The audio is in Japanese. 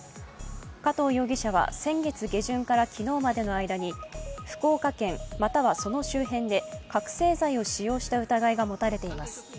加藤容疑者は先月下旬から昨日までの間に福岡県またはその周辺で覚醒剤を使用した疑いが持たれています。